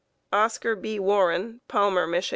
Oscar B. Warren, Palmer, Mich.